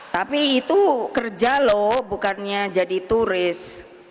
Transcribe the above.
tapi itu kerja loh bukannya jadi turis